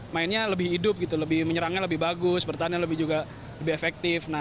mainnya lebih hidup gitu lebih menyerangnya lebih bagus bertahannya lebih juga lebih efektif